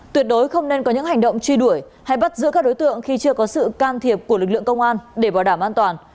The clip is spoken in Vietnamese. tuyệt đối không nên có những hành động truy đuổi hay bắt giữ các đối tượng khi chưa có sự can thiệp của lực lượng công an để bảo đảm an toàn